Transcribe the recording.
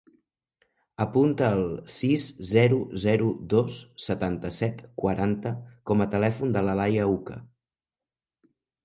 Apunta el sis, zero, zero, dos, setanta-set, quaranta com a telèfon de la Laia Ucha.